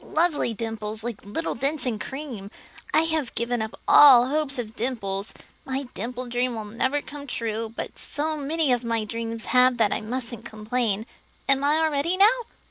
"Lovely dimples, like little dents in cream. I have given up all hope of dimples. My dimple dream will never come true; but so many of my dreams have that I mustn't complain. Am I all ready now?"